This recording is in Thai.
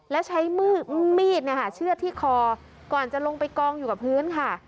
แล้วใช้มือมีดเชื่อดที่คอก่อนจะลงไปกองอยู่กับพื้นค่ะ